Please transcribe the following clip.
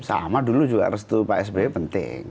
sama dulu juga restu pak sby penting